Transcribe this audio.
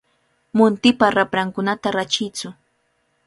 Muntipa raprankunata rachiytsu.